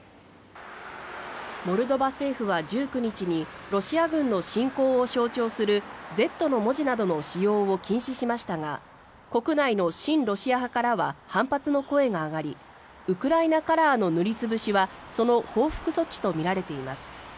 モルドバ政府は１９日にロシア軍の侵攻を象徴する「Ｚ」の文字などの使用を禁止しましたが国内の親ロシア派からは反発の声が上がりウクライナカラーの塗り潰しはその報復措置とみられています。